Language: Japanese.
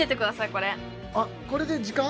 これあっこれで時間？